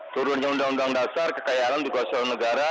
turunnya undang undang dasar kekayaan dikuasai oleh negara